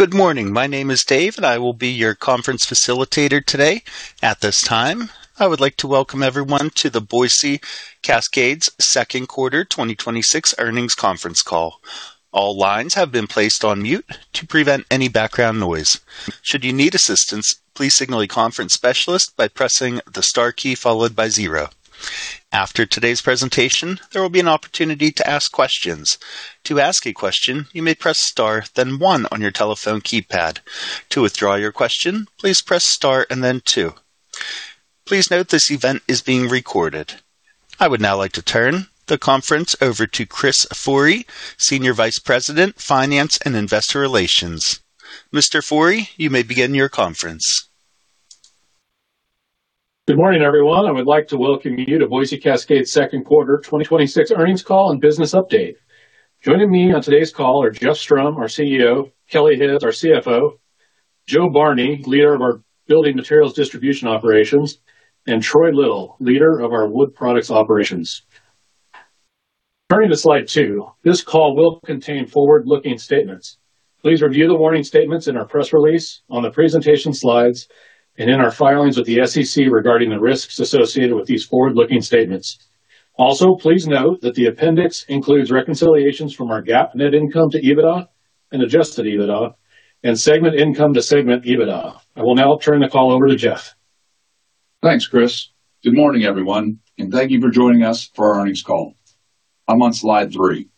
Good morning. My name is Dave, and I will be your conference facilitator today. At this time, I would like to welcome everyone to Boise Cascade's second quarter 2026 earnings conference call. All lines have been placed on mute to prevent any background noise. Should you need assistance, please signal a conference specialist by pressing the star key followed by zero. After today's presentation, there will be an opportunity to ask questions. To ask a question, you may press star then one on your telephone keypad. To withdraw your question, please press star and then two. Please note this event is being recorded. I would now like to turn the conference over to Chris Forrey, Senior Vice President, Finance and Investor Relations. Mr. Forrey, you may begin your conference. Good morning, everyone. I would like to welcome you to Boise Cascade's second quarter 2026 earnings call and business update. Joining me on today's call are Jeff Strom, our CEO, Kelly Hibbs, our CFO, Jo Barney, leader of our Building Materials Distribution Operations, and Troy Little, leader of our Wood Products Operations. Turning to slide two, this call will contain forward-looking statements. Please review the warning statements in our press release, on the presentation slides, and in our filings with the SEC regarding the risks associated with these forward-looking statements. Please note that the appendix includes reconciliations from our GAAP net income to EBITDA and adjusted EBITDA and segment income to segment EBITDA. I will now turn the call over to Jeff. Thanks, Chris. Good morning, everyone, and thank you for joining us for our earnings call. I'm on slide three.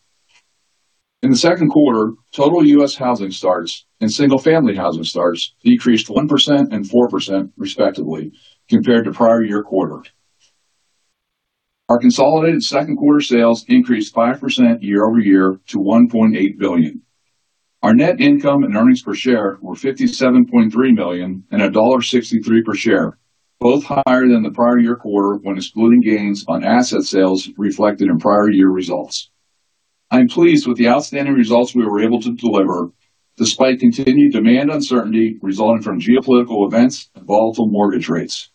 In the second quarter, total U.S. housing starts and single-family housing starts decreased 1% and 4% respectively compared to prior year quarter. Our consolidated second-quarter sales increased 5% year-over-year to $1.8 billion. Our net income and earnings per share were $57.3 million and $1.63 per share, both higher than the prior year quarter when excluding gains on asset sales reflected in prior year results. I'm pleased with the outstanding results we were able to deliver despite continued demand uncertainty resulting from geopolitical events and volatile mortgage rates.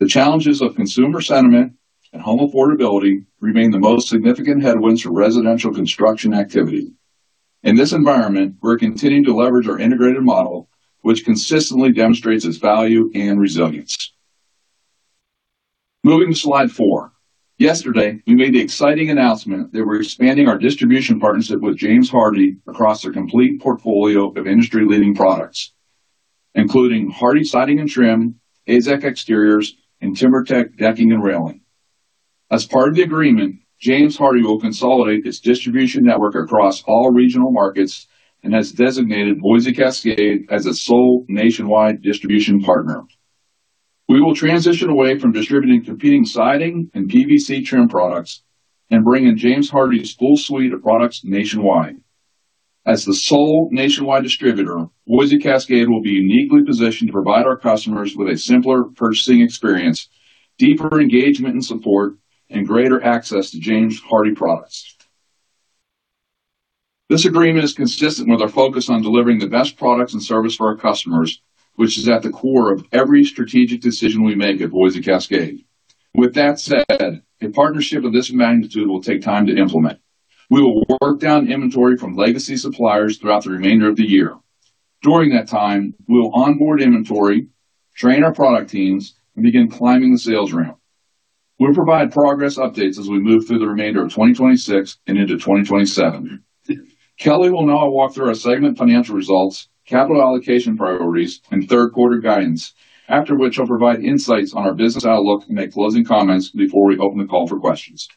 The challenges of consumer sentiment and home affordability remain the most significant headwinds for residential construction activity. In this environment, we're continuing to leverage our integrated model, which consistently demonstrates its value and resilience. Moving to slide four. Yesterday, we made the exciting announcement that we're expanding our distribution partnership with James Hardie across their complete portfolio of industry-leading products, including Hardie Siding and Trim, AZEK Exteriors, and TimberTech Decking and Railing. As part of the agreement, James Hardie will consolidate its distribution network across all regional markets and has designated Boise Cascade as its sole nationwide distribution partner. We will transition away from distributing competing siding and PVC trim products and bring in James Hardie's full suite of products nationwide. As the sole nationwide distributor, Boise Cascade will be uniquely positioned to provide our customers with a simpler purchasing experience, deeper engagement and support, and greater access to James Hardie products. This agreement is consistent with our focus on delivering the best products and service for our customers, which is at the core of every strategic decision we make at Boise Cascade. With that said, a partnership of this magnitude will take time to implement. We will work down inventory from legacy suppliers throughout the remainder of the year. During that time, we'll onboard inventory, train our product teams, and begin climbing the sales ramp. We'll provide progress updates as we move through the remainder of 2026 and into 2027. Kelly will now walk through our segment financial results, capital allocation priorities, and third-quarter guidance, after which I'll provide insights on our business outlook and make closing comments before we open the call for questions.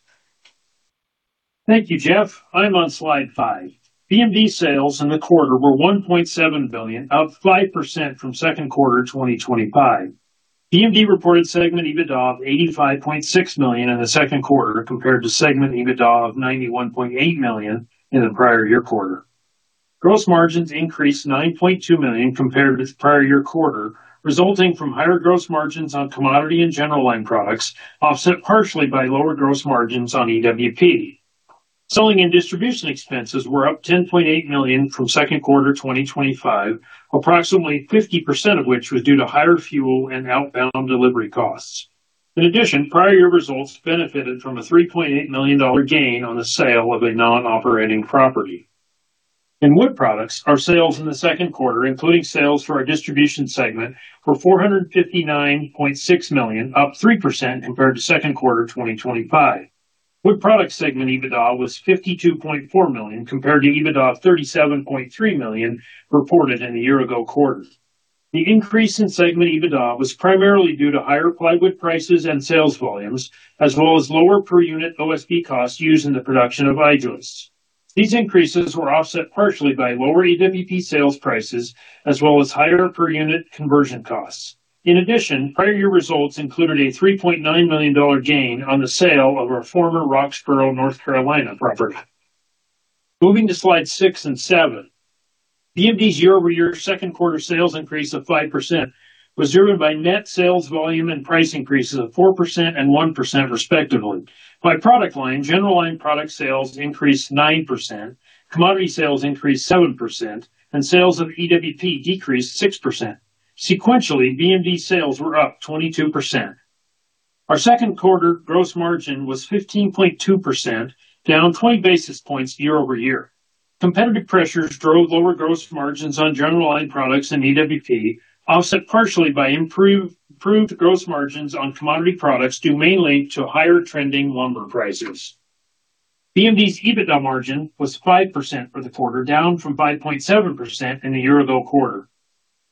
Thank you, Jeff. I'm on slide five. BMD sales in the quarter were $1.7 billion, up 5% from second quarter 2025. BMD reported segment EBITDA of $85.6 million in the second quarter compared to segment EBITDA of $91.8 million in the prior year quarter. Gross margins increased to $9.2 million compared with prior year quarter, resulting from higher gross margins on commodity and general line products, offset partially by lower gross margins on EWP. Selling and distribution expenses were up $10.8 million from second quarter 2025, approximately 50% of which was due to higher fuel and outbound delivery costs. In addition, prior year results benefited from a $3.8 million gain on the sale of a non-operating property. In Wood Products, our sales in the second quarter, including sales for our distribution segment, were $459.6 million, up 3% compared to second quarter 2025. Wood Products segment EBITDA was $52.4 million compared to EBITDA of $37.3 million reported in the year-ago quarter. The increase in segment EBITDA was primarily due to higher plywood prices and sales volumes, as well as lower per-unit OSB costs used in the production of I-joists. These increases were offset partially by lower EWP sales prices as well as higher per-unit conversion costs. In addition, prior year results included a $3.9 million gain on the sale of our former Roxboro, North Carolina, property. Moving to slides six and seven. BMD's year-over-year second quarter sales increase of 5% was driven by net sales volume and price increases of 4% and 1%, respectively. By product line, general line product sales increased 9%, commodity sales increased 7%, and sales of EWP decreased 6%. Sequentially, BMD sales were up 22%. Our second quarter gross margin was 15.2%, down 20 basis points year-over-year. Competitive pressures drove lower gross margins on general line products and EWP, offset partially by improved gross margins on commodity products, due mainly to higher trending lumber prices. BMD's EBITDA margin was 5% for the quarter, down from 5.7% in the year-ago quarter.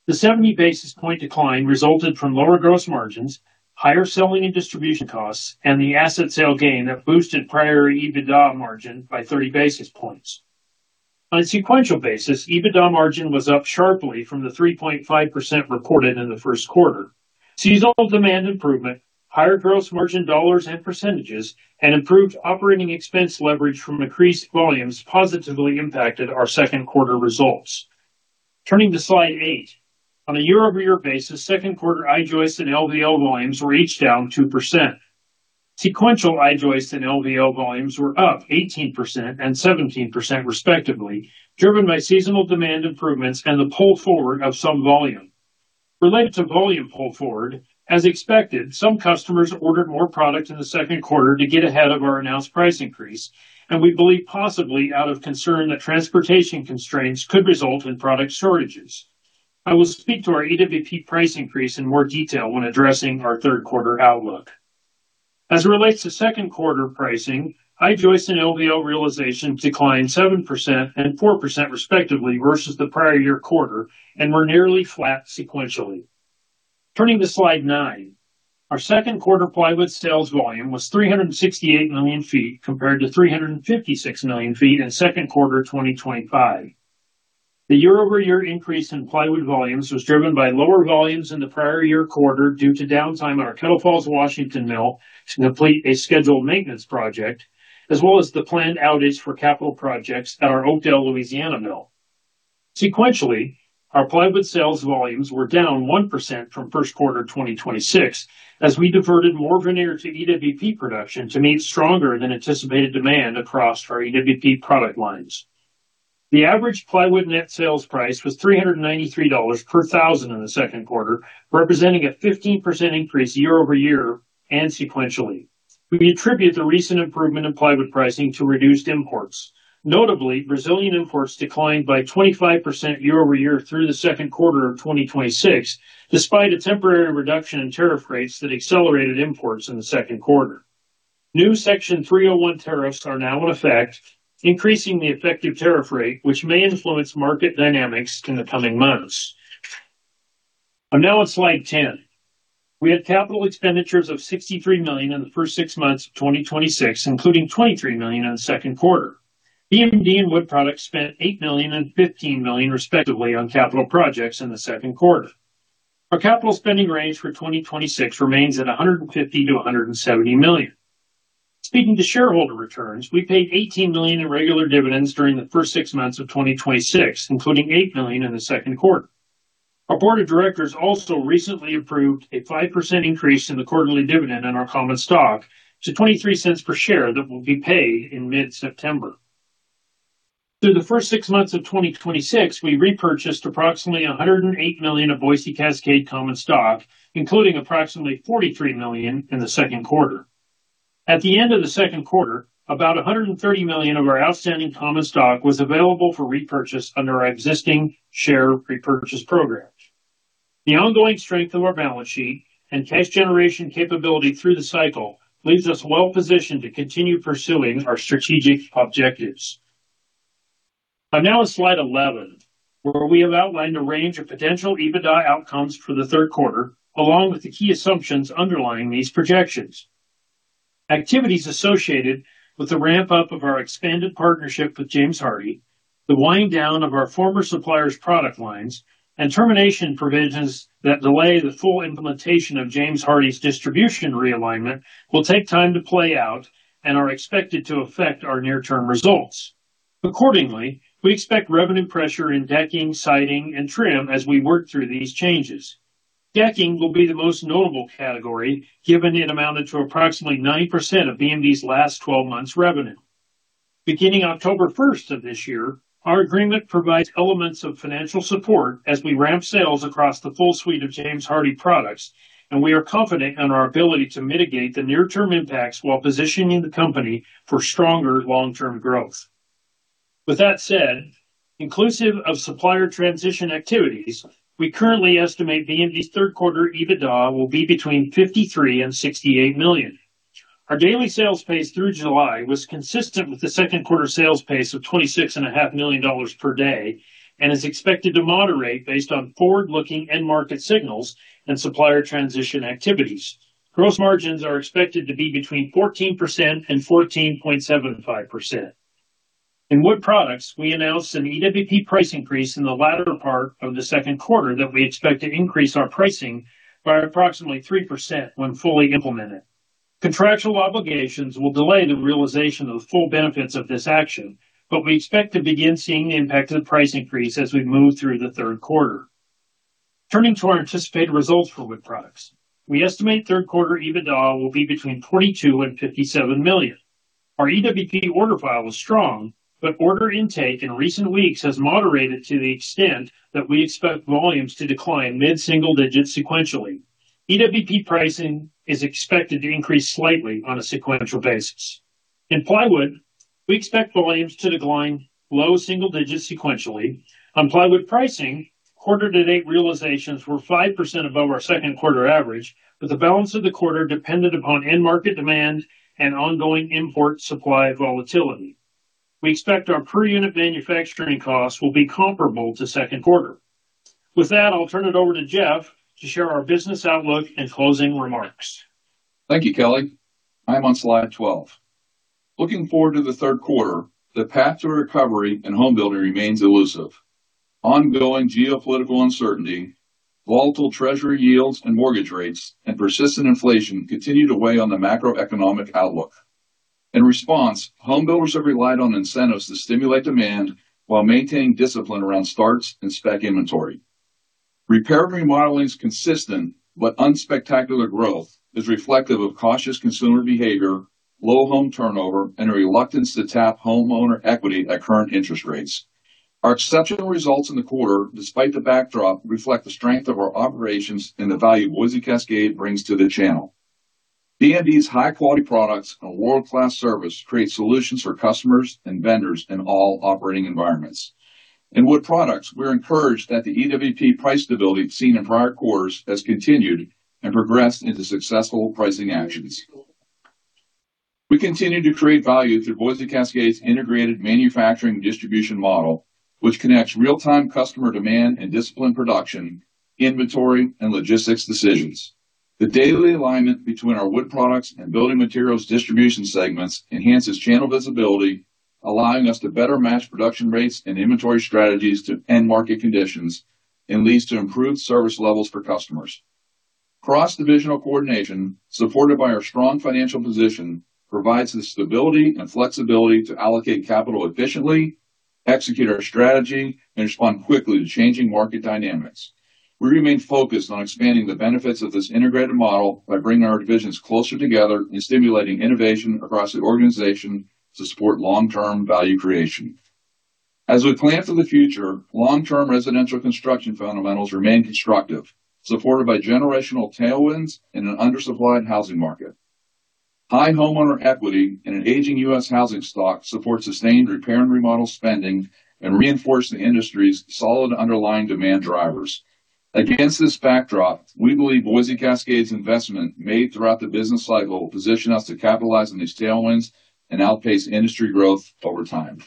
The 70-basis point decline resulted from lower gross margins, higher selling and distribution costs, and the asset sale gain that boosted prior EBITDA margin by 30 basis points. On a sequential basis, EBITDA margin was up sharply from the 3.5% reported in the first quarter. Seasonal demand improvement, higher gross margin dollars and percentages, and improved operating expense leverage from increased volumes positively impacted our second quarter results. Turning to slide eight. On a year-over-year basis, second quarter I-joist and LVL volumes were each down 2%. Sequential I-joist and LVL volumes were up 18% and 17% respectively, driven by seasonal demand improvements and the pull forward of some volume. Related to volume pull forward, as expected, some customers ordered more product in the second quarter to get ahead of our announced price increase, and we believe possibly out of concern that transportation constraints could result in product shortages. I will speak to our EWP price increase in more detail when addressing our third quarter outlook. As it relates to second quarter pricing, I-joist and LVL realization declined 7% and 4% respectively versus the prior year quarter and were nearly flat sequentially. Turning to slide nine. Our second quarter plywood sales volume was 368 million feet, compared to 356 million feet in second quarter 2025. The year-over-year increase in plywood volumes was driven by lower volumes in the prior year quarter due to downtime at our Kettle Falls, Washington mill to complete a scheduled maintenance project, as well as the planned outage for capital projects at our Oakdale, Louisiana mill. Sequentially, our plywood sales volumes were down 1% from first quarter 2026 as we diverted more veneer to EWP production to meet stronger than anticipated demand across our EWP product lines. The average plywood net sales price was $393 per thousand in the second quarter, representing a 15% increase year-over-year and sequentially. We attribute the recent improvement in plywood pricing to reduced imports. Notably, Brazilian imports declined by 25% year-over-year through the second quarter of 2026, despite a temporary reduction in tariff rates that accelerated imports in the second quarter. New Section 301 tariffs are now in effect, increasing the effective tariff rate, which may influence market dynamics in the coming months. I'm now on slide 10. We had capital expenditures of $63 million in the first six months of 2026, including $23 million in the second quarter. BMD and Wood Products spent $8 million and $15 million respectively on capital projects in the second quarter. Our capital spending range for 2026 remains at $150 million-$170 million. Speaking to shareholder returns, we paid $18 million in regular dividends during the first six months of 2026, including $8 million in the second quarter. Our board of directors also recently approved a 5% increase in the quarterly dividend on our common stock to $0.23 per share that will be paid in mid-September. Through the first six months of 2026, we repurchased approximately $108 million of Boise Cascade common stock, including approximately $43 million in the second quarter. At the end of the second quarter, about $130 million of our outstanding common stock was available for repurchase under our existing share repurchase program. The ongoing strength of our balance sheet and cash generation capability through the cycle leaves us well-positioned to continue pursuing our strategic objectives. I'm now on slide 11, where we have outlined a range of potential EBITDA outcomes for the third quarter, along with the key assumptions underlying these projections. Activities associated with the ramp-up of our expanded partnership with James Hardie, the wind down of our former suppliers product lines, and termination provisions that delay the full implementation of James Hardie's distribution realignment will take time to play out and are expected to affect our near-term results. Accordingly, we expect revenue pressure in decking, siding, and trim as we work through these changes. Decking will be the most notable category, given it amounted to approximately 90% of BMD's last 12 months revenue. Beginning October 1st of this year, our agreement provides elements of financial support as we ramp sales across the full suite of James Hardie products. We are confident in our ability to mitigate the near-term impacts while positioning the company for stronger long-term growth. With that said, inclusive of supplier transition activities, we currently estimate BMD's third quarter EBITDA will be between $53 million and $68 million. Our daily sales pace through July was consistent with the second quarter sales pace of $26.5 million per day. It is expected to moderate based on forward-looking end market signals and supplier transition activities. Gross margins are expected to be between 14% and 14.75%. In Wood Products, we announced an EWP price increase in the latter part of the second quarter that we expect to increase our pricing by approximately 3% when fully implemented. Contractual obligations will delay the realization of the full benefits of this action. We expect to begin seeing the impact of the price increase as we move through the third quarter. Turning to our anticipated results for Wood Products. We estimate third quarter EBITDA will be between $22 million and $57 million. Our EWP order file was strong. Order intake in recent weeks has moderated to the extent that we expect volumes to decline mid-single digits sequentially. EWP pricing is expected to increase slightly on a sequential basis. In plywood, we expect volumes to decline low single digits sequentially. On plywood pricing, quarter-to-date realizations were 5% above our second quarter average, with the balance of the quarter dependent upon end market demand and ongoing import supply volatility. We expect our per-unit manufacturing costs will be comparable to second quarter. With that, I'll turn it over to Jeff to share our business outlook and closing remarks. Thank you, Kelly. I am on slide 12. Looking forward to the third quarter, the path to recovery in home building remains elusive. Ongoing geopolitical uncertainty, volatile treasury yields and mortgage rates, persistent inflation continue to weigh on the macroeconomic outlook. In response, home builders have relied on incentives to stimulate demand while maintaining discipline around starts and spec inventory. Repair remodeling is consistent. Unspectacular growth is reflective of cautious consumer behavior, low home turnover, a reluctance to tap homeowner equity at current interest rates. Our exceptional results in the quarter, despite the backdrop, reflect the strength of our operations and the value Boise Cascade brings to the channel. BMD's high-quality products and world-class service create solutions for customers and vendors in all operating environments. In Wood Products, we're encouraged that the EWP price stability seen in prior quarters has continued and progressed into successful pricing actions. We continue to create value through Boise Cascade's integrated manufacturing distribution model, which connects real-time customer demand and disciplined production, inventory, and logistics decisions. The daily alignment between our Wood Products and Building Materials Distribution segments enhances channel visibility, allowing us to better match production rates and inventory strategies to end market conditions and leads to improved service levels for customers. Cross-divisional coordination, supported by our strong financial position, provides the stability and flexibility to allocate capital efficiently, execute our strategy, and respond quickly to changing market dynamics. We remain focused on expanding the benefits of this integrated model by bringing our divisions closer together and stimulating innovation across the organization to support long-term value creation. As we plan for the future, long-term residential construction fundamentals remain constructive, supported by generational tailwinds in an undersupplied housing market. High homeowner equity in an aging U.S. housing stock supports sustained repair and remodel spending and reinforces the industry's solid underlying demand drivers. Against this backdrop, we believe Boise Cascade's investment made throughout the business cycle will position us to capitalize on these tailwinds and outpace industry growth over time.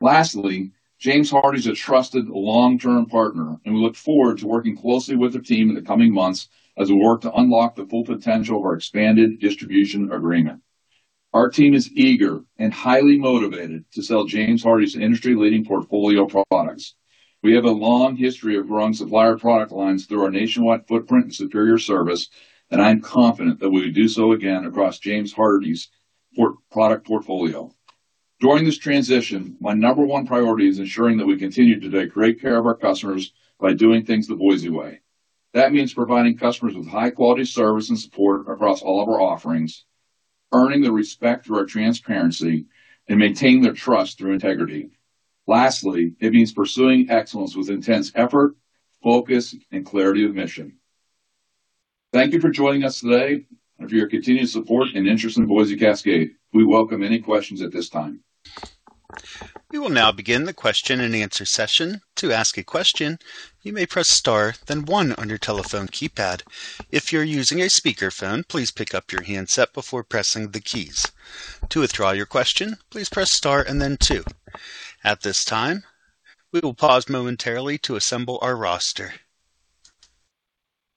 Lastly, James Hardie is a trusted long-term partner, and we look forward to working closely with their team in the coming months as we work to unlock the full potential of our expanded distribution agreement. Our team is eager and highly motivated to sell James Hardie's industry-leading portfolio of products. We have a long history of growing supplier product lines through our nationwide footprint and superior service, and I'm confident that we will do so again across James Hardie's product portfolio. During this transition, my number one priority is ensuring that we continue to take great care of our customers by doing things the Boise way. That means providing customers with high-quality service and support across all of our offerings, earning their respect through our transparency, and maintaining their trust through integrity. Lastly, it means pursuing excellence with intense effort, focus, and clarity of mission. Thank you for joining us today and for your continued support and interest in Boise Cascade. We welcome any questions at this time. We will now begin the question-and-answer session. To ask a question, you may press star then one on your telephone keypad. If you're using a speakerphone, please pick up your handset before pressing the keys. To withdraw your question, please press star and then two. At this time, we will pause momentarily to assemble our roster.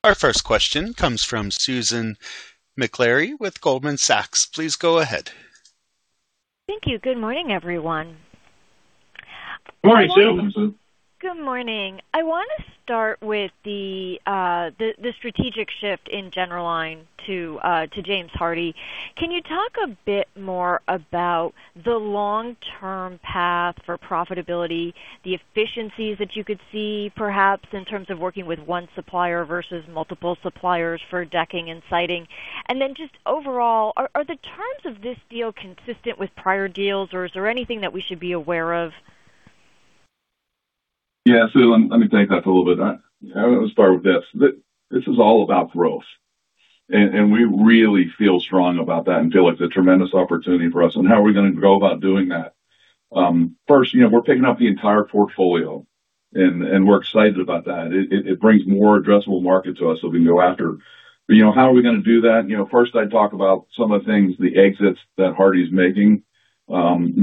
Our first question comes from Susan Maklari with Goldman Sachs. Please go ahead. Thank you. Good morning, everyone. Good morning, Sue. Good morning. I want to start with the strategic shift in general line to James Hardie. Can you talk a bit more about the long-term path for profitability, the efficiencies that you could see perhaps in terms of working with one supplier versus multiple suppliers for decking and siding? Just overall, are the terms of this deal consistent with prior deals, or is there anything that we should be aware of? Yeah, Sue, let me take that for a little bit. I want to start with this. This is all about growth, and we really feel strong about that and feel like it's a tremendous opportunity for us on how we're going to go about doing that. First, I'd talk about some of the things, the exits that Hardie's making.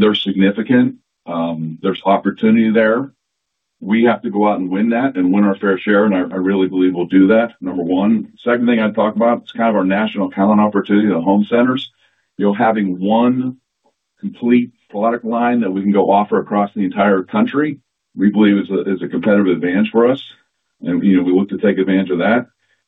They're significant. There's opportunity there. We have to go out and win that and win our fair share, and I really believe we'll do that, number one. Second thing I'd talk about is kind of our national talent opportunity at Home Centers. Having one complete product line that we can go offer across the entire country, we believe is a competitive advantage for us. We look to take advantage of that.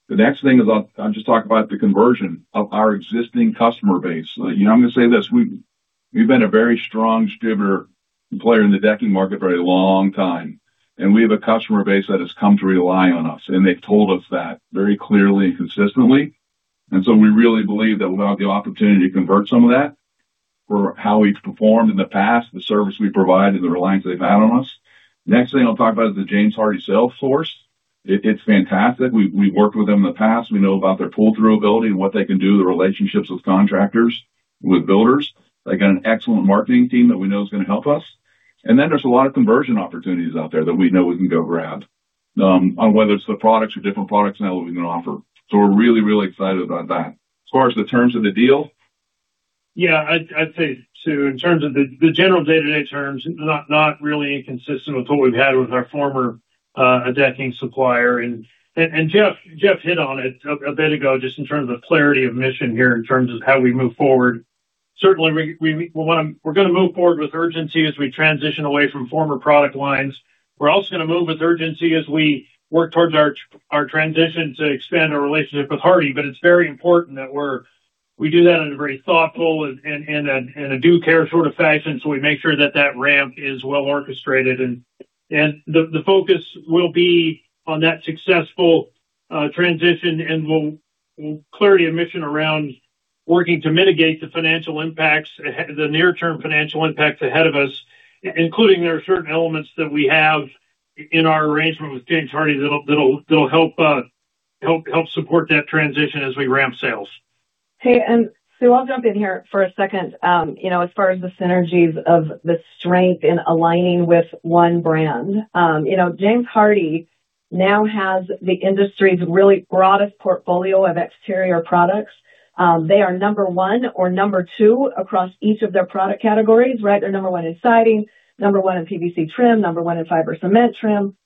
The next thing is I'll just talk about the conversion of our existing customer base. I'm going to say this. We've been a very strong distributor and player in the decking market for a long time. We have a customer base that has come to rely on us, and they've told us that very clearly and consistently. We really believe that we'll have the opportunity to convert some of that for how we've performed in the past, the service we provide, and the reliance they've had on us. Next thing I'll talk about is the James Hardie sales force. It's fantastic. We've worked with them in the past. We know about their pull-through ability and what they can do, the relationships with contractors, with builders. They got an excellent marketing team that we know is going to help us. There's a lot of conversion opportunities out there that we know we can go grab, on whether it's the products or different products now that we can offer. We're really excited about that. As far as the terms of the deal? Yeah. I'd say, Sue, in terms of the general day-to-day terms, not really inconsistent with what we've had with our former decking supplier. Jeff hit on it a bit ago, just in terms of clarity of mission here, in terms of how we move forward. Certainly, we're going to move forward with urgency as we transition away from former product lines. We're also going to move with urgency as we work towards our transition to expand our relationship with Hardie. It's very important that we do that in a very thoughtful and a due care sort of fashion, so we make sure that ramp is well-orchestrated. The focus will be on that successful transition, and clarity of mission around working to mitigate the near-term financial impacts ahead of us, including there are certain elements that we have in our arrangement with James Hardie that'll help support that transition as we ramp sales. Hey, Sue, I'll jump in here for a second. As far as the synergies of the strength in aligning with one brand. James Hardie now has the industry's really broadest portfolio of exterior products. They are number one or number two across each of their product categories. They're number one in siding, number one in PVC trim, number one in fiber cement trim,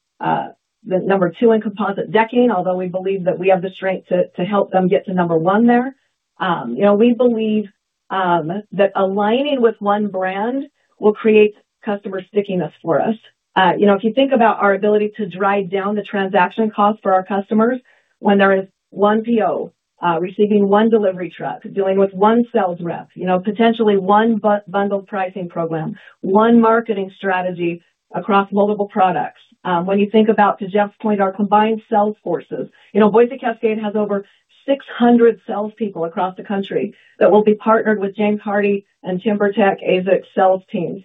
number two in composite decking, although we believe that we have the strength to help them get to number one there. We believe that aligning with one brand will create customer stickiness for us. If you think about our ability to drive down the transaction cost for our customers when there is one PO, receiving one delivery truck, dealing with one sales rep, potentially one bundled pricing program, one marketing strategy across multiple products. When you think about, to Jeff's point, our combined sales forces. Boise Cascade has over 600 salespeople across the country that will be partnered with James Hardie and TimberTech/AZEK sales teams.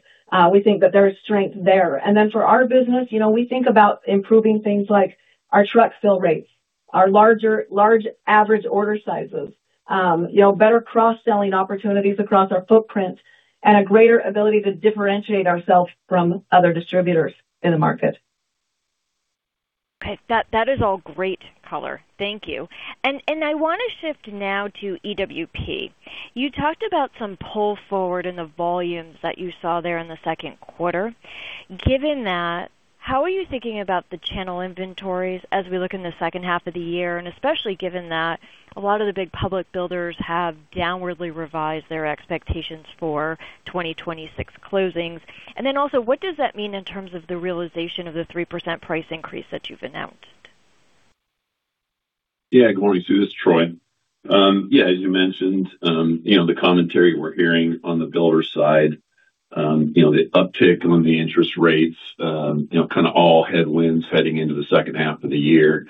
We think that there is strength there. Then for our business, we think about improving things like our truck fill rates, our large average order sizes, better cross-selling opportunities across our footprint, and a greater ability to differentiate ourselves from other distributors in the market. Okay. That is all great color. Thank you. I want to shift now to EWP. You talked about some pull forward in the volumes that you saw there in the second quarter. Given that, how are you thinking about the channel inventories as we look in the second half of the year, and especially given that a lot of the big public builders have downwardly revised their expectations for 2026 closings? Then also, what does that mean in terms of the realization of the 3% price increase that you've announced? Good morning, Sue. It's Troy. As you mentioned, the commentary we're hearing on the builder side, the uptick on the interest rates, kind of all headwinds heading into the second half of the year.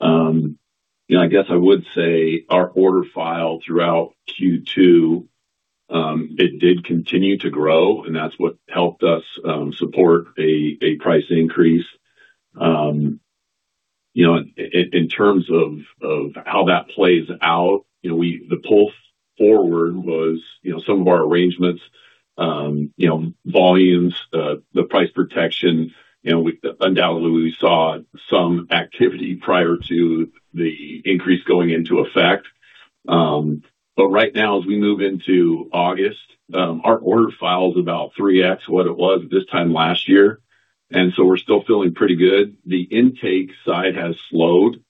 I guess I would say our order file throughout Q2, it did continue to grow, and that's what helped us support a price increase. In terms of how that plays out, the pull forward was some of our arrangements, volumes, the price protection. Undoubtedly, we saw some activity prior to the increase going into effect. Right now, as we move into August, our order file is about 3x what it was this time last year, we're still feeling pretty good. The intake side has slowed,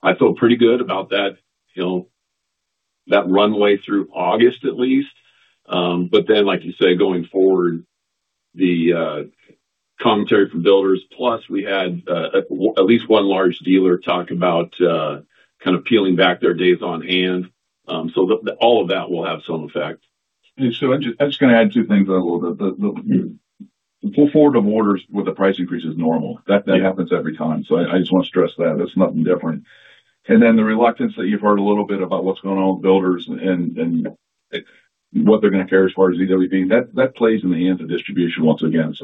I think combined with the existing order file and what we're kind of seeing right now, I feel pretty good about that runway through August at least. Like you say, going forward, the commentary from builders, plus we had at least one large dealer talk about kind of peeling back their days on hand. All of that will have some effect. Sue, I'm just going to add two things a little bit. The pull forward of orders with a price increase is normal. That happens every time. I just want to stress that. It's nothing different. The reluctance that you've heard a little bit about what's going on with builders and what they're going to carry as far as EWP, that plays in the hands of distribution once again.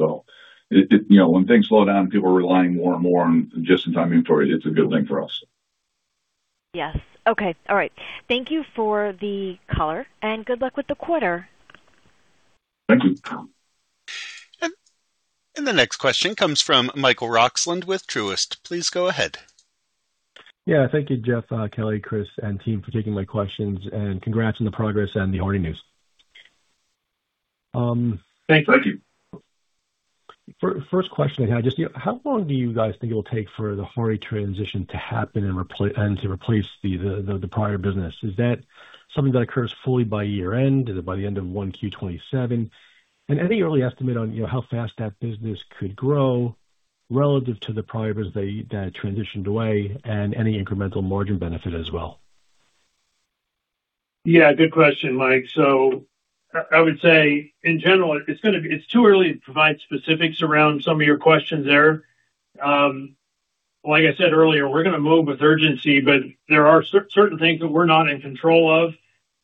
When things slow down and people are relying more and more on just-in-time inventory, it's a good thing for us. Yes. Okay. All right. Thank you for the color, and good luck with the quarter. Thank you. The next question comes from Michael Roxland with Truist. Please go ahead. Yeah. Thank you, Jeff, Kelly, Chris, and team for taking my questions. Congrats on the progress and the James Hardie news. Thanks. Thank you. First question I had. Just how long do you guys think it will take for the James Hardie transition to happen and to replace the prior business? Is that something that occurs fully by year-end? Is it by the end of 1Q 2027? Any early estimate on how fast that business could grow relative to the prior business that transitioned away, and any incremental margin benefit as well? Yeah, good question, Mike. I would say, in general, it's too early to provide specifics around some of your questions there. Like I said earlier, we're going to move with urgency, but there are certain things that we're not in control of,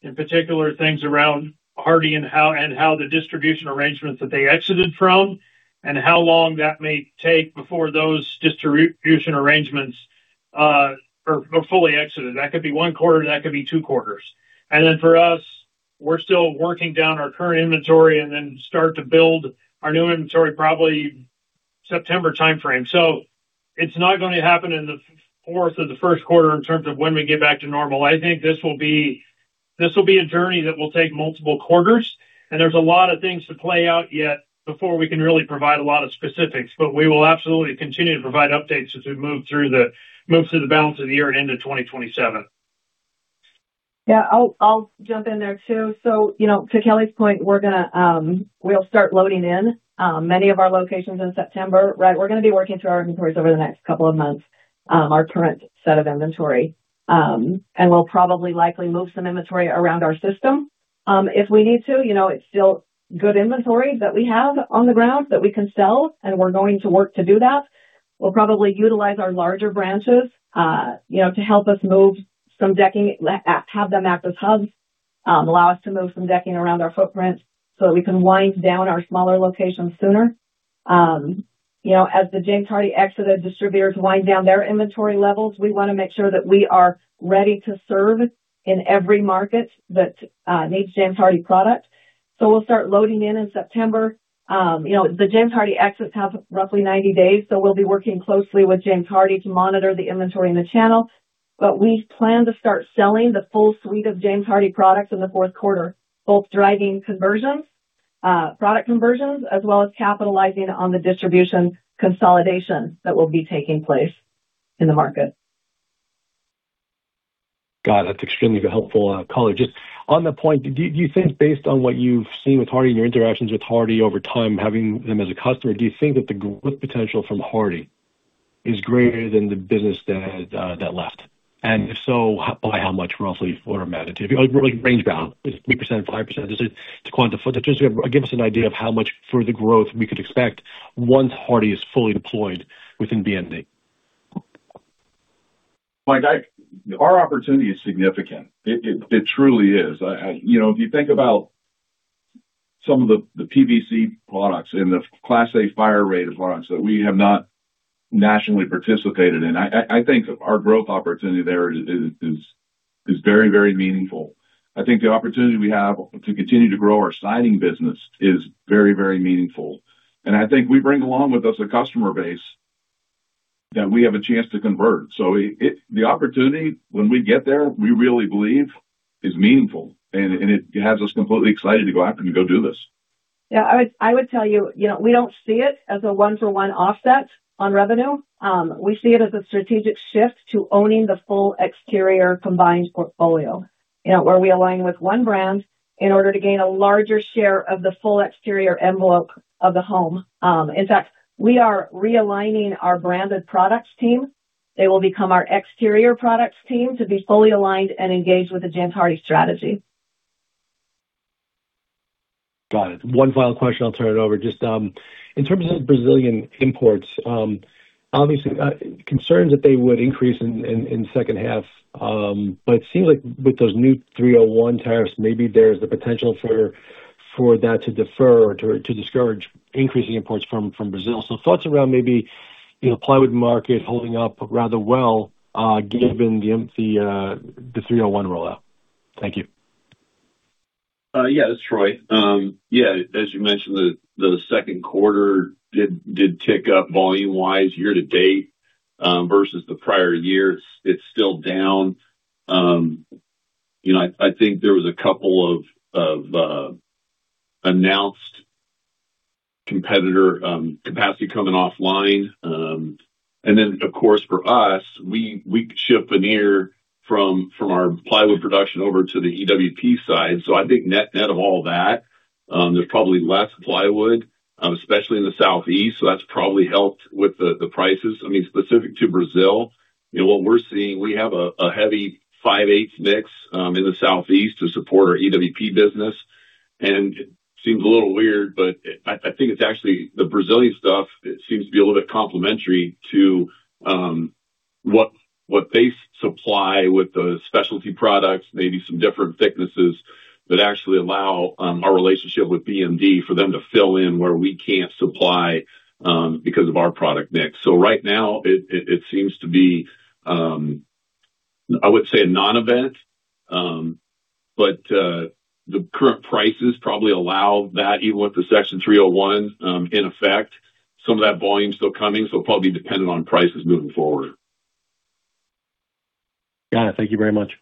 in particular, things around Hardie and how the distribution arrangements that they exited from and how long that may take before those distribution arrangements are fully exited. That could be one quarter, that could be two quarters. Then for us, we're still working down our current inventory and then start to build our new inventory, probably September timeframe. It's not going to happen in the fourth of the first quarter in terms of when we get back to normal. I think this will be a journey that will take multiple quarters, there's a lot of things to play out yet before we can really provide a lot of specifics. We will absolutely continue to provide updates as we move through the balance of the year and into 2027. I'll jump in there too. To Kelly's point, we'll start loading in many of our locations in September. We're going to be working through our inventories over the next couple of months, our current set of inventory. We'll probably likely move some inventory around our system if we need to. It's still good inventory that we have on the ground that we can sell, and we're going to work to do that. We'll probably utilize our larger branches to help us move some decking, have them act as hubs, allow us to move some decking around our footprint so that we can wind down our smaller locations sooner. As the James Hardie exited distributors wind down their inventory levels, we want to make sure that we are ready to serve in every market that needs James Hardie product. We'll start loading in in September. The James Hardie exits have roughly 90 days, so we'll be working closely with James Hardie to monitor the inventory in the channel. We plan to start selling the full suite of James Hardie products in the fourth quarter, both driving conversions, product conversions, as well as capitalizing on the distribution consolidation that will be taking place in the market. Got it. That's extremely helpful. Kelly, just on that point, do you think based on what you've seen with Hardie and your interactions with Hardie over time, having them as a customer, do you think that the growth potential from Hardie is greater than the business that left? If so, by how much, roughly? Like range bound, is it 3%-5%? Just to give us an idea of how much further growth we could expect once Hardie is fully deployed within BMD. Mike, our opportunity is significant. It truly is. If you think about some of the PVC products and the Class A fire-rated products that we have not nationally participated in, I think our growth opportunity there is very meaningful. I think the opportunity we have to continue to grow our siding business is very meaningful, and I think we bring along with us a customer base that we have a chance to convert. The opportunity when we get there, we really believe is meaningful, and it has us completely excited to go out and to go do this. Yeah, I would tell you, we don't see it as a one-for-one offset on revenue. We see it as a strategic shift to owning the full exterior combined portfolio, where we align with one brand in order to gain a larger share of the full exterior envelope of the home. In fact, we are realigning our branded products team. They will become our exterior products team to be fully aligned and engaged with the James Hardie strategy. Got it. One final question, I'll turn it over. Just in terms of Brazilian imports, obviously, concerns that they would increase in the second half. It seems like with those new 301 tariffs, maybe there's the potential for that to defer or to discourage increasing imports from Brazil. Thoughts around maybe plywood market holding up rather well given the 301 rollout. Thank you. Yeah, this is Troy. Yeah, as you mentioned, the second quarter did tick up volume-wise year-to-date, versus the prior year it's still down. I think there was a couple of announced competitor capacity coming offline. Of course, for us, we ship veneer from our plywood production over to the EWP side. I think net of all that, there's probably less plywood, especially in the Southeast, that's probably helped with the prices. Specific to Brazil, what we're seeing, we have a heavy five-eighth mix in the Southeast to support our EWP business. It seems a little weird, but I think it's actually the Brazilian stuff seems to be a little bit complementary to what they supply with the specialty products, maybe some different thicknesses that actually allow our relationship with BMD for them to fill in where we can't supply because of our product mix. Right now, it seems to be, I would say, a non-event. The current prices probably allow that, even with the Section 301 in effect, some of that volume still coming, it'll probably be dependent on prices moving forward. Got it. Thank you very much.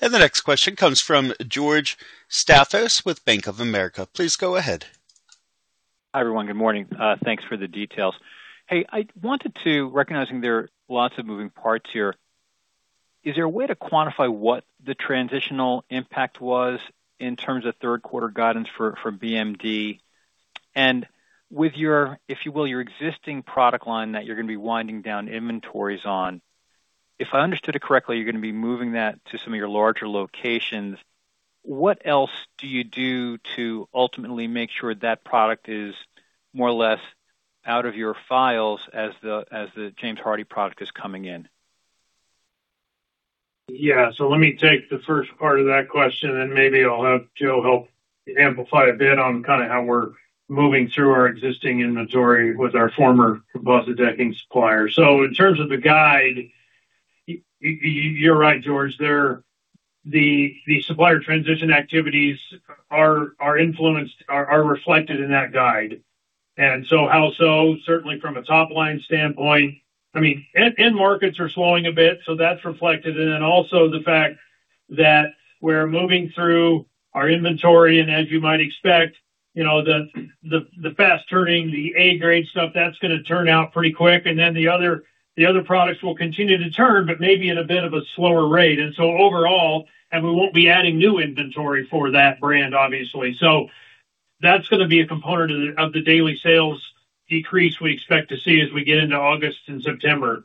The next question comes from George Staphos with Bank of America. Please go ahead. Hi, everyone. Good morning. Thanks for the details. Recognizing there are lots of moving parts here. Is there a way to quantify what the transitional impact was in terms of third quarter guidance for BMD? With your, if you will, your existing product line that you're going to be winding down inventories on, if I understood it correctly, you're going to be moving that to some of your larger locations. What else do you do to ultimately make sure that product is more or less out of your files as the James Hardie product is coming in? Yeah. Let me take the first part of that question, maybe I'll have Jo help amplify a bit on kind of how we're moving through our existing inventory with our former composite decking supplier. In terms of the guide, you're right, George, the supplier transition activities are reflected in that guide. Also, certainly from a top-line standpoint, end markets are slowing a bit, so that's reflected. Also the fact that we're moving through our inventory, as you might expect, the fast-turning, the A-grade stuff, that's going to turn out pretty quick. The other products will continue to turn, but maybe at a bit of a slower rate. Overall. We won't be adding new inventory for that brand, obviously. That's going to be a component of the daily sales decrease we expect to see as we get into August and September.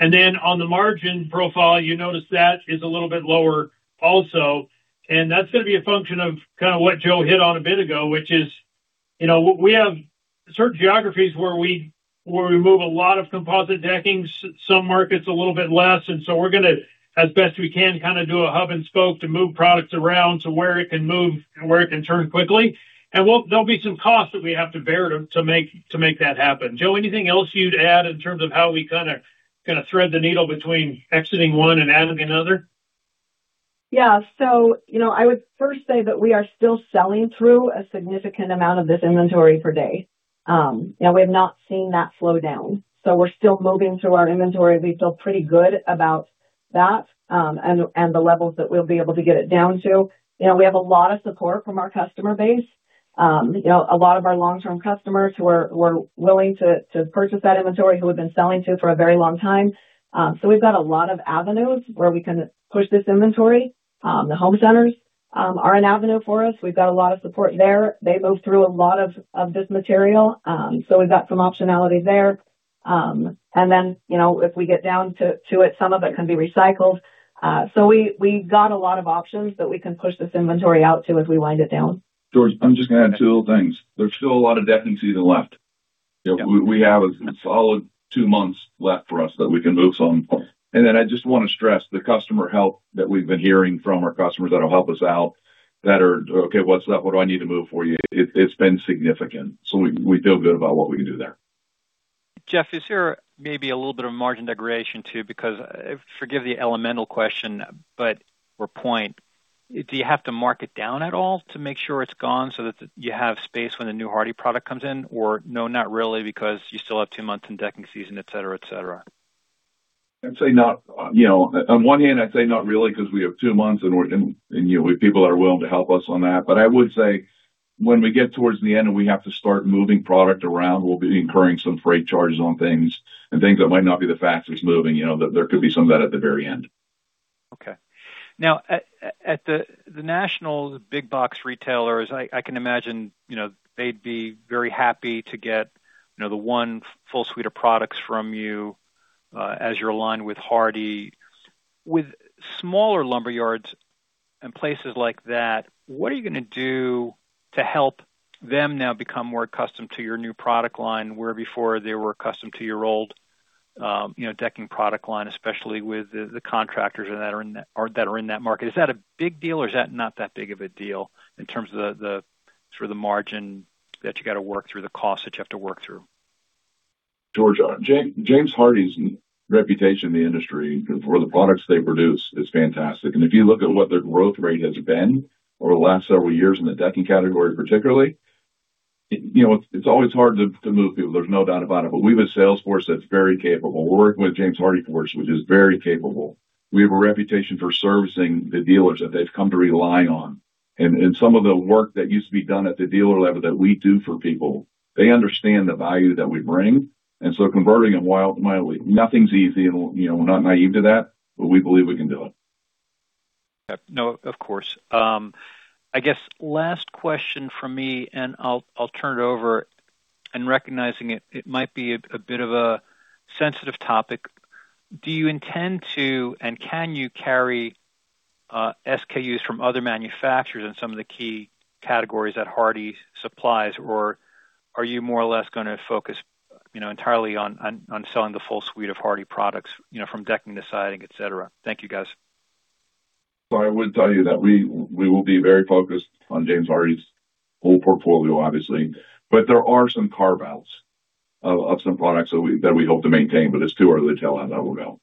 On the margin profile, you notice that is a little bit lower also, and that's going to be a function of kind of what Jo hit on a bit ago, which is we have certain geographies where we move a lot of composite decking, some markets a little bit less. We're going to, as best we can, kind of do a hub and spoke to move products around to where it can move and where it can turn quickly. There'll be some costs that we have to bear to make that happen. Jo, anything else you'd add in terms of how we kind of thread the needle between exiting one and adding another? I would first say that we are still selling through a significant amount of this inventory per day. We have not seen that slow down. We're still moving through our inventory. We feel pretty good about that, and the levels that we'll be able to get it down to. We have a lot of support from our customer base. A lot of our long-term customers who are willing to purchase that inventory, who we've been selling to for a very long time. We've got a lot of avenues where we can push this inventory. The Home Centers are an avenue for us. We've got a lot of support there. They move through a lot of this material. We've got some optionality there. If we get down to it, some of it can be recycled. We've got a lot of options that we can push this inventory out to as we wind it down. George, I'm just going to add two little things. There's still a lot of decking season left. Yeah. We have a solid two months left for us that we can move some. I just want to stress the customer help that we've been hearing from our customers that will help us out, that are, "Okay, what's left? What do I need to move for you?" It's been significant. We feel good about what we can do there. Jeff, is there maybe a little bit of margin degradation, too? Forgive the elemental question, or point, do you have to mark it down at all to make sure it's gone so that you have space when the new Hardie product comes in? Or no, not really, because you still have two months in decking season, et cetera. I'd say not. On one hand, I'd say not really, because we have two months, and we have people that are willing to help us on that. I would say, when we get towards the end and we have to start moving product around, we'll be incurring some freight charges on things. Things that might not be the fastest moving. There could be some of that at the very end. At the national big box retailers, I can imagine they'd be very happy to get the one full suite of products from you as you're aligned with James Hardie. With smaller lumber yards and places like that, what are you going to do to help them now become more accustomed to your new product line, where before they were accustomed to your old decking product line, especially with the contractors that are in that market? Is that a big deal, or is that not that big of a deal in terms of the sort of the margin that you got to work through, the cost that you have to work through? George, James Hardie's reputation in the industry for the products they produce is fantastic. If you look at what their growth rate has been over the last several years in the decking category, particularly, it's always hard to move people, there's no doubt about it. We have a sales force that's very capable. We're working with James Hardie, which is very capable. We have a reputation for servicing the dealers that they've come to rely on. Some of the work that used to be done at the dealer level that we do for people, they understand the value that we bring. Converting it, while nothing's easy and we're not naive to that, but we believe we can do it. No, of course. I guess last question from me, and I'll turn it over, and recognizing it might be a bit of a sensitive topic. Do you intend to, and can you carry SKUs from other manufacturers in some of the key categories that James Hardie supplies, or are you more or less going to focus entirely on selling the full suite of Hardie products, from decking to siding, et cetera? Thank you, guys. I would tell you that we will be very focused on James Hardie's whole portfolio, obviously. There are some carve-outs of some products that we hope to maintain, but it's too early to tell how that will go.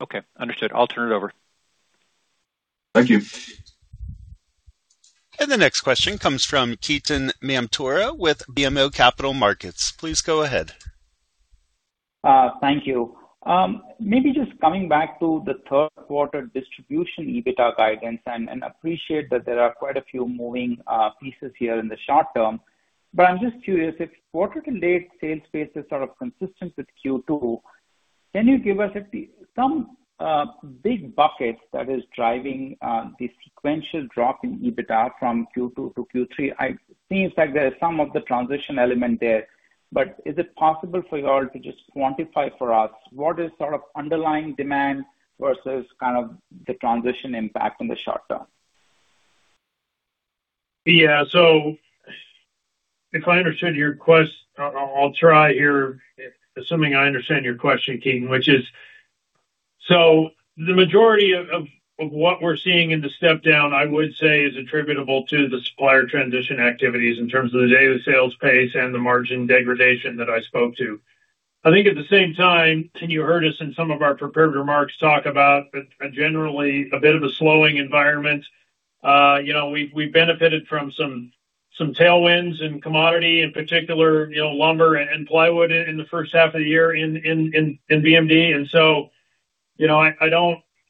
Okay, understood. I'll turn it over. Thank you. The next question comes from Ketan Mamtora with BMO Capital Markets. Please go ahead. Thank you. Maybe just coming back to the third quarter distribution EBITDA guidance, appreciate that there are quite a few moving pieces here in the short term. I'm just curious, if quarter-to-date sales pace is sort of consistent with Q2, can you give us some big buckets that is driving the sequential drop in EBITDA from Q2 to Q3? It seems like there's some of the transition element there, but is it possible for you all to just quantify for us what is sort of underlying demand versus kind of the transition impact in the short term? If I understood your question, I'll try here, assuming I understand your question, Ketan. The majority of what we're seeing in the step-down, I would say, is attributable to the supplier transition activities in terms of the daily sales pace and the margin degradation that I spoke to. I think at the same time, you heard us in some of our prepared remarks, talk about a generally a bit of a slowing environment. We've benefited from some tailwinds in commodity, in particular, lumber and plywood in the first half of the year in BMD.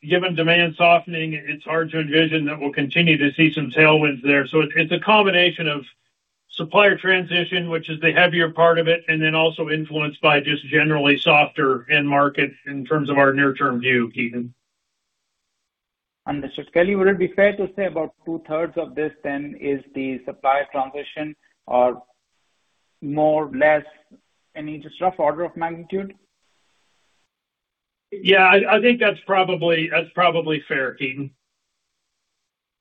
Given demand softening, it's hard to envision that we'll continue to see some tailwinds there. It's a combination of supplier transition, which is the heavier part of it, and then also influenced by just generally softer end market in terms of our near-term view, Ketan. Understood. Kelly, would it be fair to say about two-thirds of this then is the supplier transition or more less? I mean, just rough order of magnitude. Yeah, I think that's probably fair, Ketan.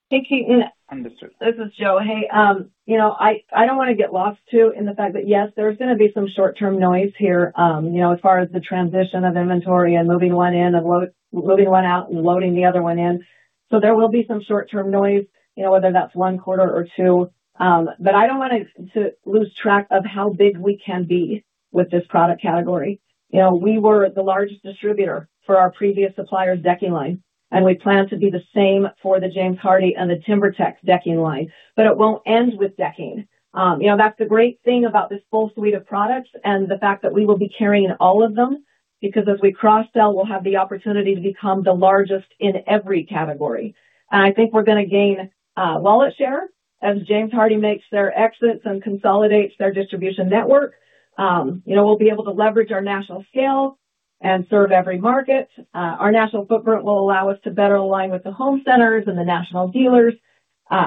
Hey, Ketan. Understood. This is Jo. Hey, I don't want to get lost, too, in the fact that, yes, there's going to be some short-term noise here as far as the transition of inventory and moving one in and moving one out and loading the other one in. There will be some short-term noise, whether that's one quarter or two. I don't want to lose track of how big we can be with this product category. We were the largest distributor for our previous supplier's decking line, and we plan to be the same for the James Hardie and the TimberTech decking line. It won't end with decking. That's the great thing about this full suite of products and the fact that we will be carrying all of them, because as we cross-sell, we'll have the opportunity to become the largest in every category. I think we're going to gain wallet share as James Hardie makes their exits and consolidates their distribution network. We'll be able to leverage our national scale and serve every market. Our national footprint will allow us to better align with the Home Centers and the national dealers,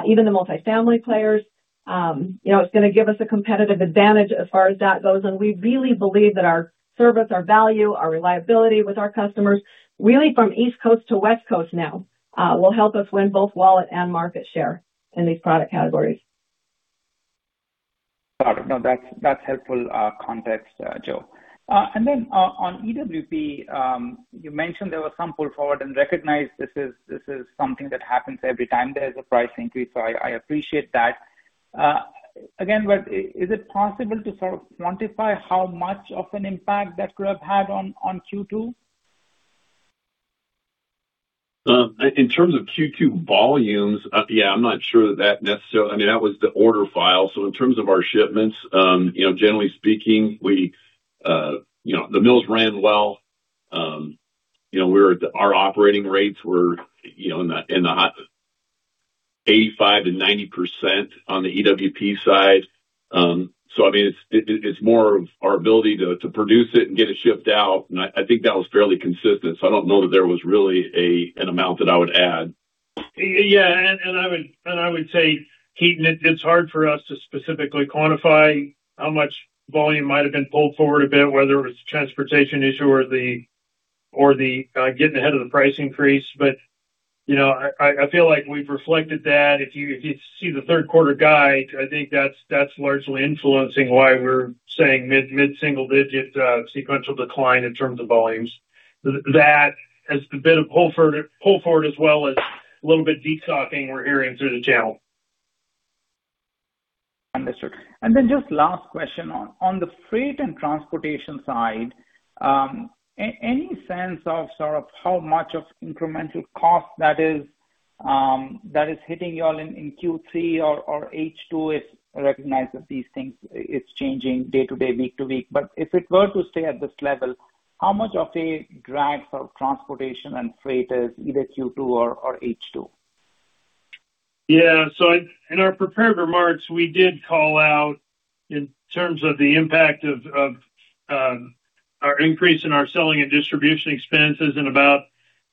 even the multi-family players. It's going to give us a competitive advantage as far as that goes. We really believe that our service, our value, our reliability with our customers, really from East Coast to West Coast now, will help us win both wallet and market share in these product categories. Got it. That's helpful context, Jo. Then, on EWP, you mentioned there was some pull forward and recognized this is something that happens every time there's a price increase. I appreciate that. Again, is it possible to sort of quantify how much of an impact that could have had on Q2? In terms of Q2 volumes, I mean, that was the order file. In terms of our shipments, generally speaking, the mills ran well. Our operating rates were in the 85%-90% on the EWP side. I mean, it's more of our ability to produce it and get it shipped out. I think that was fairly consistent, so I don't know that there was really an amount that I would add. I would say, Ketan, it's hard for us to specifically quantify how much volume might've been pulled forward a bit, whether it was a transportation issue or the getting ahead of the price increase. I feel like we've reflected that. If you see the third quarter guide, I think that's largely influencing why we're saying mid-single-digit sequential decline in terms of volumes. That has a bit of pull forward as well as a little bit de-stocking we're hearing through the channel. Understood. Just last question. On the freight and transportation side, any sense of sort of how much of incremental cost that is hitting you all in Q3 or H2? Recognize that these things, it's changing day to day, week to week. If it were to stay at this level, how much of a drag for transportation and freight is either Q2 or H2? Yeah. In our prepared remarks, we did call out in terms of the impact of our increase in our selling and distribution expenses, and about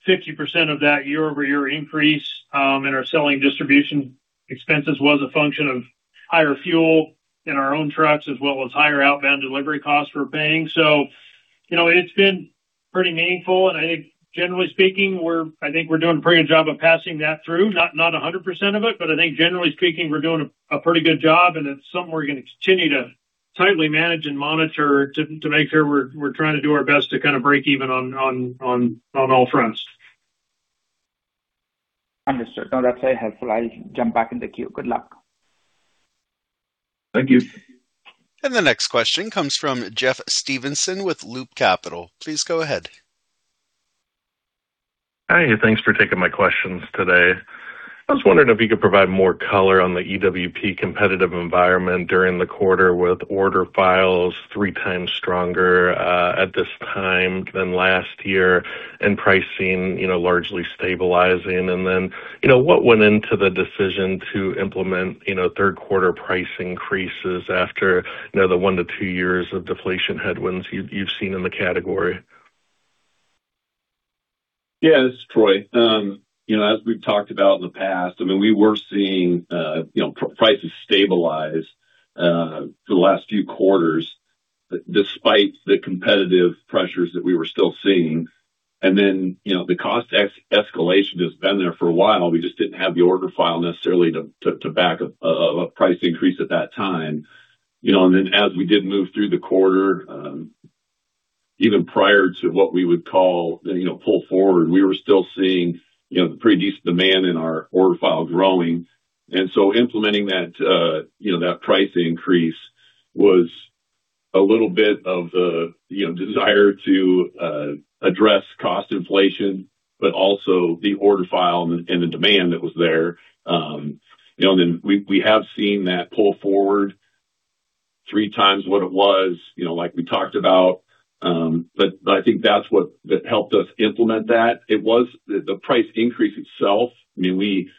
50% of that year-over-year increase in our selling distribution expenses was a function of higher fuel in our own trucks as well as higher outbound delivery costs we're paying. It's been pretty meaningful and I think generally speaking, I think we're doing a pretty good job of passing that through. Not 100% of it, but I think generally speaking, we're doing a pretty good job, and it's something we're going to continue to tightly manage and monitor to make sure we're trying to do our best to kind of break even on all fronts. Understood. That's very helpful. I'll jump back in the queue. Good luck. Thank you. The next question comes from Jeff Stevenson with Loop Capital. Please go ahead. Hi. Thanks for taking my questions today. I was wondering if you could provide more color on the EWP competitive environment during the quarter with order files 3x stronger at this time than last year, and pricing largely stabilizing. What went into the decision to implement third quarter price increases after the one to two years of deflation headwinds you've seen in the category? Yeah, this is Troy. As we've talked about in the past, we were seeing prices stabilize for the last few quarters despite the competitive pressures that we were still seeing. The cost escalation has been there for a while. We just didn't have the order file necessarily to back a price increase at that time. As we did move through the quarter, even prior to what we would call pull forward, we were still seeing pretty decent demand in our order file growing. Implementing that price increase was a little bit of the desire to address cost inflation, but also the order file and the demand that was there. We have seen that pull forward 3x what it was, like we talked about. I think that's what helped us implement that. It was the price increase itself. We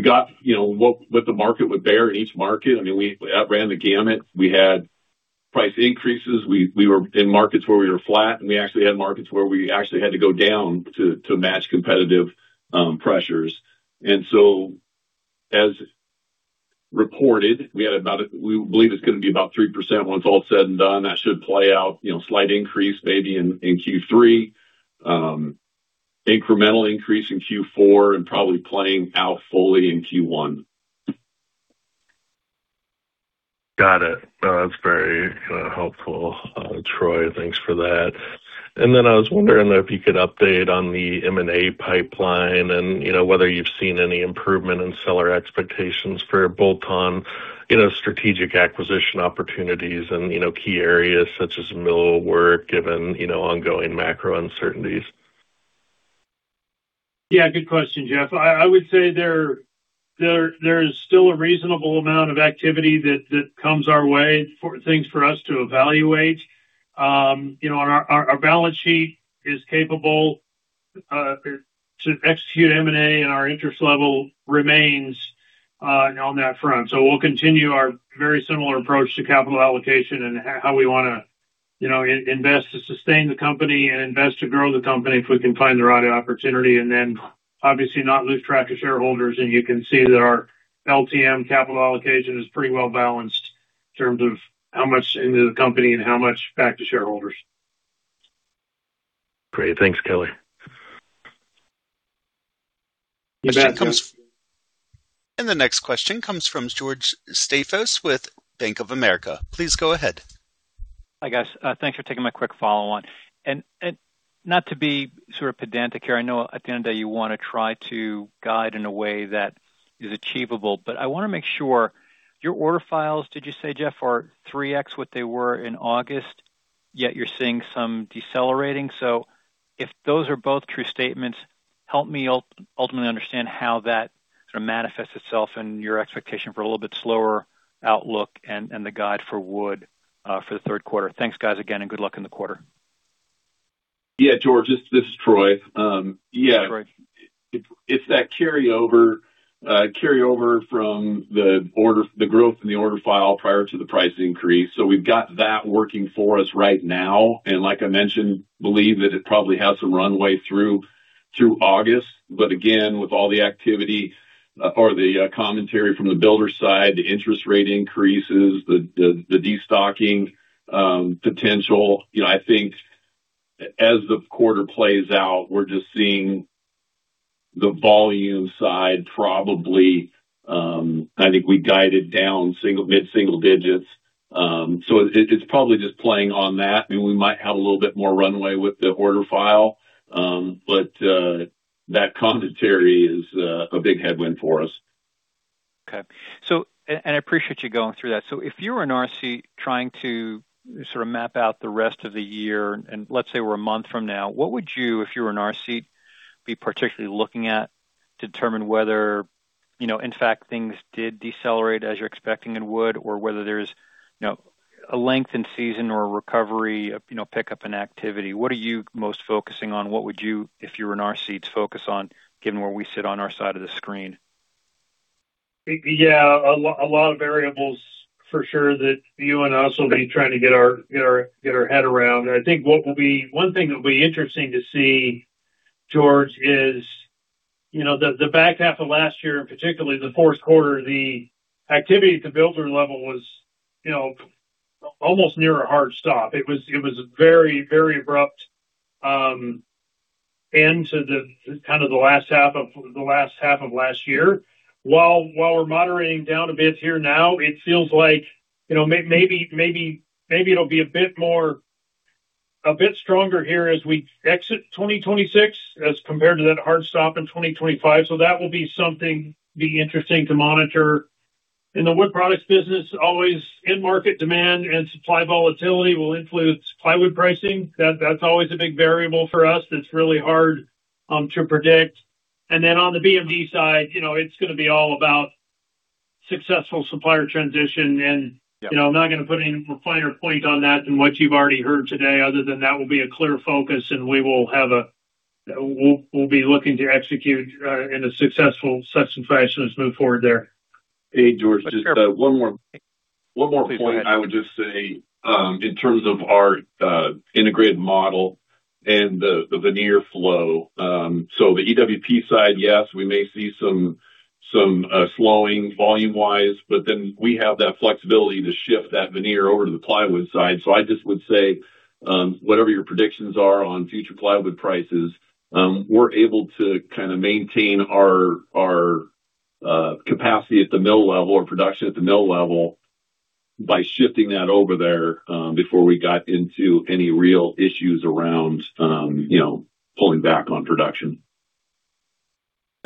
got what the market would bear in each market. We outran the gamut. We had price increases. We were in markets where we were flat, and we actually had markets where we actually had to go down to match competitive pressures. As reported, we believe it's going to be about 3% when it's all said and done. That should play out, slight increase maybe in Q3, incremental increase in Q4, and probably playing out fully in Q1. Got it. That's very helpful, Troy. Thanks for that. I was wondering if you could update on the M&A pipeline and whether you've seen any improvement in seller expectations for bolt-on strategic acquisition opportunities in key areas such as mill work, given ongoing macro uncertainties. Yeah, good question, Jeff. I would say there is still a reasonable amount of activity that comes our way for things for us to evaluate. Our balance sheet is capable to execute M&A, and our interest level remains on that front. We'll continue our very similar approach to capital allocation and how we want to invest to sustain the company and invest to grow the company if we can find the right opportunity, then obviously not lose track of shareholders. You can see that our LTM capital allocation is pretty well-balanced in terms of how much into the company and how much back to shareholders. Great. Thanks, Kelly. The next question comes from George Staphos with Bank of America. Please go ahead. Hi, guys. Thanks for taking my quick follow-on. Not to be sort of pedantic here. I know at the end of the day, you want to try to guide in a way that is achievable, but I want to make sure your order files, did you say, Jeff, are 3x what they were in August, yet you're seeing some decelerating? If those are both true statements, help me ultimately understand how that sort of manifests itself and your expectation for a little bit slower outlook and the guide for Wood Products for the third quarter. Thanks, guys, again, and good luck in the quarter. Yeah, George. This is Troy. Hi, Troy. It's that carryover from the growth in the order file prior to the price increase. We've got that working for us right now, and like I mentioned, believe that it probably has some runway through August. Again, with all the activity or the commentary from the builder side, the interest rate increases, the de-stocking potential, I think as the quarter plays out, we're just seeing the volume side probably, I think we guided down mid-single digits. It's probably just playing on that. We might have a little bit more runway with the order file. That commentary is a big headwind for us. Okay. I appreciate you going through that. If you were in our seat trying to sort of map out the rest of the year, and let's say we're a month from now, what would you, if you were in our seat, be particularly looking at to determine whether, in fact, things did decelerate as you're expecting in wood or whether there's a lengthened season or a recovery, a pickup in activity? What are you most focusing on? What would you, if you were in our seats, focus on given where we sit on our side of the screen? Yeah. A lot of variables for sure that you and us will be trying to get our head around. I think one thing that will be interesting to see, George, is the back half of last year, and particularly the fourth quarter, the activity at the builder level was almost near a hard stop. It was a very abrupt end to the last half of last year. While we're moderating down a bit here now, it feels like maybe it'll be a bit stronger here as we exit 2026 as compared to that hard stop in 2025. That will be something be interesting to monitor. In the Wood Products business, always in-market demand and supply volatility will influence plywood pricing. That's always a big variable for us that's really hard to predict. Then on the BMD side, it's going to be all about successful supplier transition. Yeah. I'm not going to put any finer point on that than what you've already heard today, other than that will be a clear focus, and we'll be looking to execute in a successful such fashion as move forward there. Hey, George, just one more point I would just say. In terms of our integrated model and the veneer flow. The EWP side, yes, we may see some slowing volume-wise, we have that flexibility to shift that veneer over to the plywood side. I just would say, whatever your predictions are on future plywood prices, we're able to kind of maintain our capacity at the mill level or production at the mill level by shifting that over there before we got into any real issues around pulling back on production.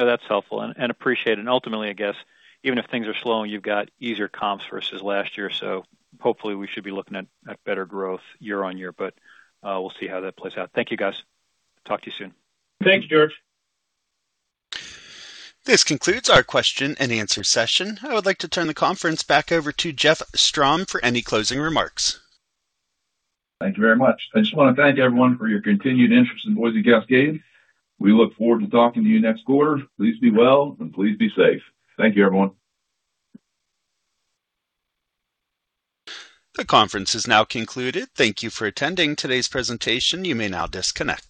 That's helpful and appreciate it. Ultimately, I guess even if things are slowing, you've got easier comps versus last year, so hopefully we should be looking at better growth year-on-year, but we'll see how that plays out. Thank you guys. Talk to you soon. Thanks, George. This concludes our question and answer session. I would like to turn the conference back over to Jeff Strom for any closing remarks. Thank you very much. I just want to thank everyone for your continued interest in Boise Cascade. We look forward to talking to you next quarter. Please be well and please be safe. Thank you, everyone. The conference is now concluded. Thank you for attending today's presentation. You may now disconnect.